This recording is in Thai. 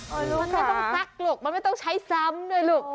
มันไม่ต้องซักลูกมันไม่ต้องใช้ซ้ำด้วยลูก